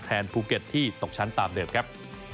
ภูเก็ตที่ตกชั้นตามเดิมครับ